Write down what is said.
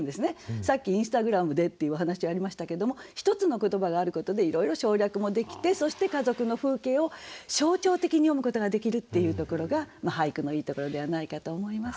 さっきインスタグラムでっていうお話ありましたけども一つの言葉があることでいろいろ省略もできてそして家族の風景を象徴的に詠むことができるっていうところが俳句のいいところではないかと思います。